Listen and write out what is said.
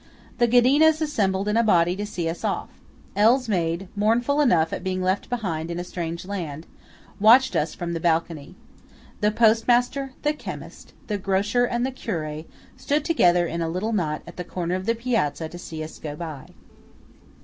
The Ghedinas assembled in a body to see us off. L.'s maid, mournful enough at being left behind in a strange land, watched us from the balcony. The postmaster, the chemist, the grocer and the curé, stood together in a little knot at the corner of the piazza to see us go by.